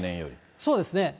そうですね。